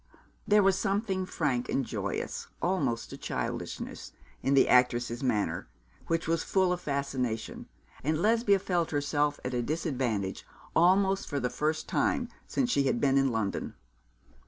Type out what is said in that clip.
There was something frank and joyous, almost to childishness, in the actress's manner, which was full of fascination; and Lesbia felt herself at a disadvantage almost for the first time since she had been in London.